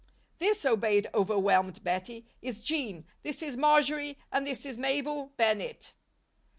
"This," obeyed overwhelmed Bettie, "is Jean, this is Marjory and this is Mabel Bennett."